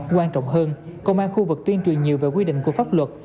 quan trọng hơn công an khu vực tuyên truyền nhiều về quy định của pháp luật